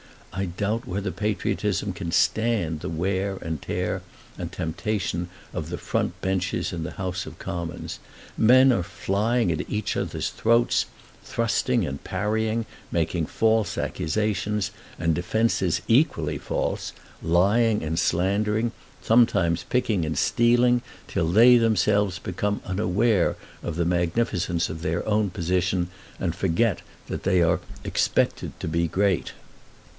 I doubt whether patriotism can stand the wear and tear and temptation of the front benches in the House of Commons. Men are flying at each other's throats, thrusting and parrying, making false accusations and defences equally false, lying and slandering, sometimes picking and stealing, till they themselves become unaware of the magnificence of their own position, and forget that they are expected to be great.